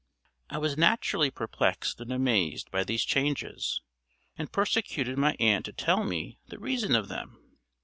I was naturally perplexed and amazed by these changes, and persecuted my aunt to tell me the reason of them.